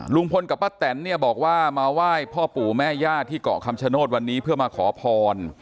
ลุงพลกับป้าแตนเนี่ยบอกว่ามาไหว้พ่อปู่แม่ย่าที่เกาะคำชโนธวันนี้เพื่อมาขอพร